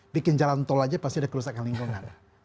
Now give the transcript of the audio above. bikin jalan tol aja pasti ada kerusakan lingkungan